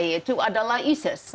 itu adalah isis